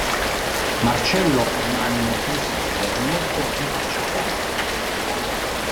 Marcello è un animo sensibile e molto impacciato.